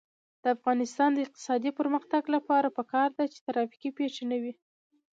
د افغانستان د اقتصادي پرمختګ لپاره پکار ده چې ترافیکي پیښې نه وي.